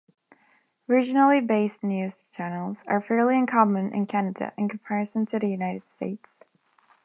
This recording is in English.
Regionally-based news channels are fairly uncommon in Canada in comparison to the United States.